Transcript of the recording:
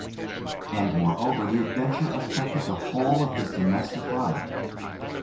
And, moreover, the adventure affected the whole of his domestic life.